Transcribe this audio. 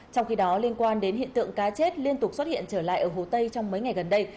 trong khi đó liên quan đến hiện tượng cá chết liên tục xuất hiện trở lại ở hồ tây trong mấy ngày gần đây